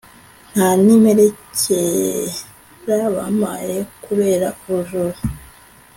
ntanimperekera bampaye kubera ubujura